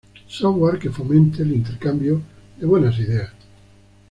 software que fomente el intercambio de buenas ideas